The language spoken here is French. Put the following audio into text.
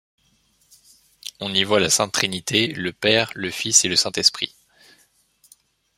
On y voit la Sainte Trinité, le Père, le Fils et le Saint-Esprit.